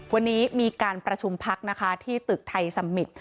วันนี้มีการประชุมพักนะคะที่ตึกไทยสมิตร